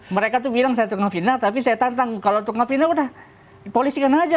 mereka tuh bilang saya tunggu vina tapi saya tantang kalau tunggu vina udah polisi kan aja